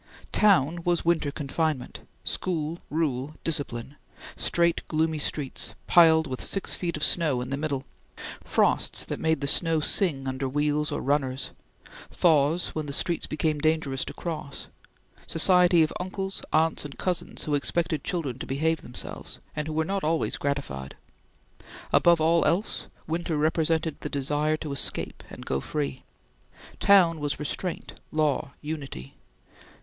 Town was winter confinement, school, rule, discipline; straight, gloomy streets, piled with six feet of snow in the middle; frosts that made the snow sing under wheels or runners; thaws when the streets became dangerous to cross; society of uncles, aunts, and cousins who expected children to behave themselves, and who were not always gratified; above all else, winter represented the desire to escape and go free. Town was restraint, law, unity.